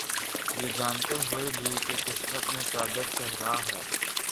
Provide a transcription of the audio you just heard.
یہ جانتے ہوئے بھی، کہ قسمت میں چادر صحرا ہے